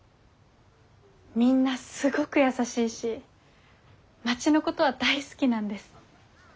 みんなすごく優しいし町のことは大好きなんです。